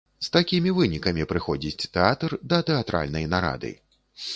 З такімі вынікамі прыходзіць тэатр да тэатральнай нарады.